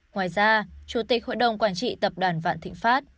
ngoài ra chủ tịch hội đồng quản trị tập đoàn vạn thịnh pháp